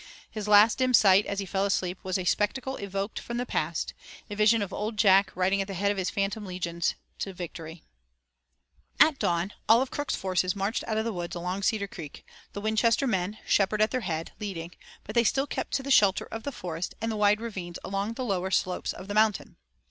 His last dim sight, as he fell asleep, was a spectacle evoked from the past, a vision of Old Jack riding at the head of his phantom legions to victory. At dawn all of Crook's forces marched out of the woods along Cedar Creek, the Winchester men, Shepard at their head, leading, but they still kept to the shelter of the forest and wide ravines along the lower slopes of the mountain.